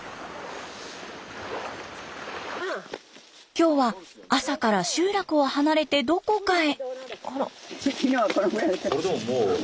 今日は朝から集落を離れてどこかへ。